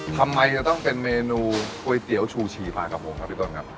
ทำไมจะเป็นเมนูก๋วยเตี๋ยวชูฉี่ฟ้ากับผมพี่ต้นครับ